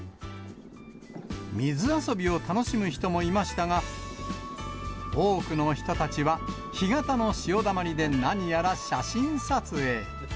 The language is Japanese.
水遊びを楽しむ人もいましたが、多くの人たちは干潟の潮だまりで何やら写真撮影。